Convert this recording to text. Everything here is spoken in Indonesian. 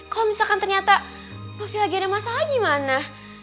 kalo misalkan ternyata novi lagi ada masalah gimana